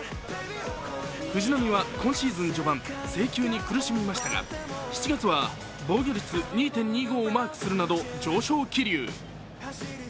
藤浪は今シーズン序盤、制球に苦しみましたが７月は防御率２．２５をマークするなど上昇気流。